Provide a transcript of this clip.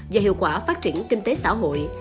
và hiệu quả phát triển kinh tế xã hội